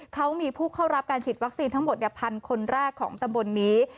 เขามีผู้เข้ารับการฉีดวัคซีนทั้งหมด๑๐๐คนแรกของตำบลนี้